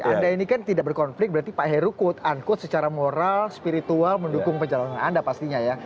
anda ini kan tidak berkonflik berarti pak heru quote unquote secara moral spiritual mendukung pencalonan anda pastinya ya